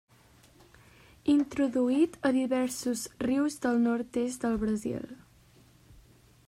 Introduït a diversos rius del nord-est del Brasil.